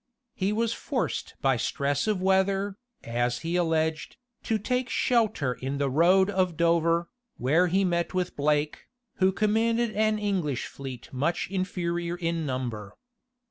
He was forced by stress of weather, as he alleged, to take shelter in the road of Dover, where he met with Blake, who commanded an English fleet much inferior in number.